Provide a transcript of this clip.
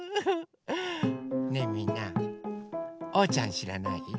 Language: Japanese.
ねえみんなおうちゃんしらない？